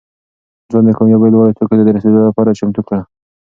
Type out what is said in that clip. ځان د کامیابۍ لوړو څوکو ته د رسېدو لپاره چمتو کړه.